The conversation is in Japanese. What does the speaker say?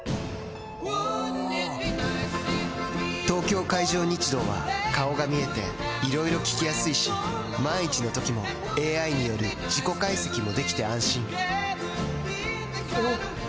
東京海上日動は顔が見えていろいろ聞きやすいし万一のときもＡＩによる事故解析もできて安心おぉ！